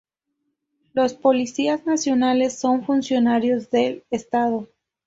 Los policías nacionales son funcionarios del Estado.